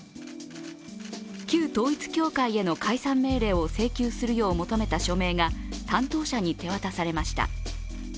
旧統一教会への解散命令を請求するよう求めた署名が担当者に手渡されました。